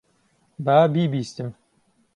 با بیبیستم.